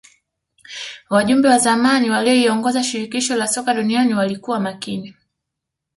wajumbe wa zamani waliyoongoza shirikisho la soka duniani walikuwa makini